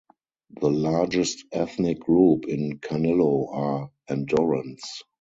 The largest ethnic group in Canillo are Andorrans.